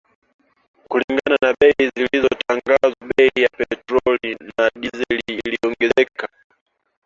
Kulingana na bei zilizotangazwa bei ya petroli na dizeli iliongezeka